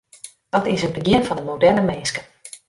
Dat is it begjin fan de moderne minske.